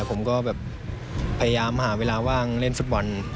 แต่ก็ทำให้เขาได้ประสบการณ์ชั้นดีของชีวิตดำมาพัฒนาต่อยอดสู่การแข่งขันบนเวทีทีมชาติไทย